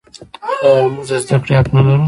آیا موږ د زده کړې حق نلرو؟